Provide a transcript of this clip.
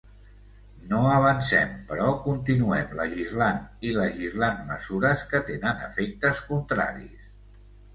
No avancem, però continuem legislant i legislant mesures que tenen efectes contraris.